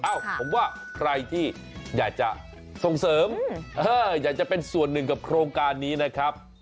เอ้าผมว่าใครที่อยากจะส่งเสริมอยากจะเป็นส่วนหนึ่งกับโครงการนี้นะครับ